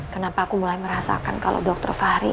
kenapa aku mulai merasakan kalau dokter fahri